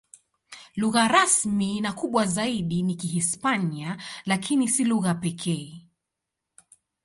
Lugha rasmi na kubwa zaidi ni Kihispania, lakini si lugha pekee.